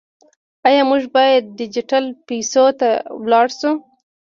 آیا موږ باید ډیجیټل پیسو ته لاړ شو؟